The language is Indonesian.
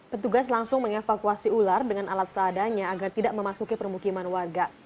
petugas langsung mengevakuasi ular dengan alat seadanya agar tidak memasuki permukiman warga